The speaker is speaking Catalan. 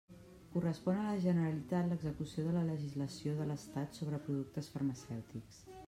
Correspon a la Generalitat l'execució de la legislació de l'Estat sobre productes farmacèutics.